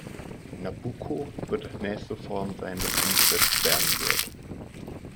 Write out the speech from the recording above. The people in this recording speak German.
Nabucco wird das nächste Vorhaben sein, das umgesetzt werden wird.